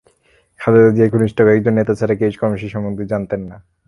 খালেদা জিয়ার ঘনিষ্ঠ কয়েকজন নেতা ছাড়া কেউই কর্মসূচি সম্পর্কে জানতেন না।